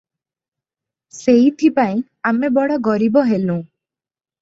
ସେଇଥିପାଇଁ ଆମେ ବଡ଼ ଗରିବ ହେଲୁଁ ।